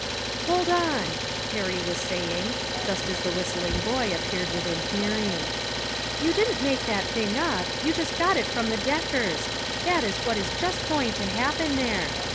" Hold on," Harry was saying, just as the whistling boy appeared within hearing. " You didn't make that thing up ; you got it from the Deckers ; that is what is just going to happen there.